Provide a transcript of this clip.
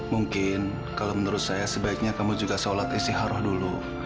mungkin kalau menurut saya sebaiknya kamu juga sholat istihara dulu